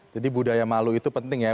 jadi budaya malu itu penting ya